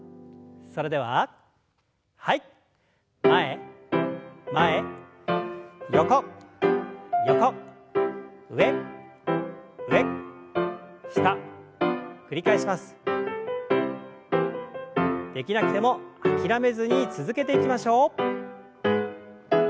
できなくても諦めずに続けていきましょう。